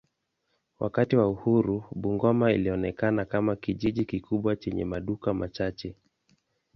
Wakati wa uhuru Bungoma ilionekana kama kijiji kikubwa chenye maduka machache.